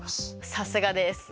さすがです！